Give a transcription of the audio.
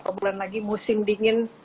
apalagi beberapa bulan lagi musim dingin